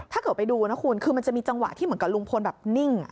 ถ้าเกิดไปดูนะคุณคือมันจะมีจังหวะที่เหมือนกับลุงพลแบบนิ่ง